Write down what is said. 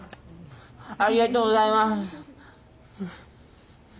ありがとうございます。